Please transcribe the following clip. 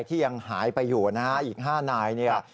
ที่ยังหายไปอยู่นะฮะอีก๕นายเนี่ย